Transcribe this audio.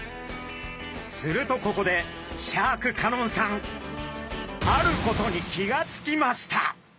するとここでシャーク香音さんあることに気が付きました！